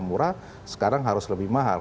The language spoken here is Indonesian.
murah sekarang harus lebih mahal